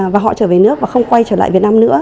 và họ trở về nước và không quay trở lại việt nam nữa